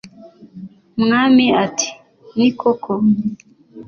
umwami ati: "ni koko?"